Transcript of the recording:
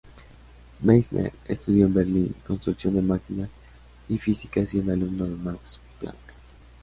Meissner estudió en Berlín construcción de máquinas y física siendo alumno de Max Planck.